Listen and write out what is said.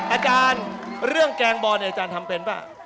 อาจารย์เรื่องแกงบอลเนี่ยอาจารย์ทำเป็นป่ะ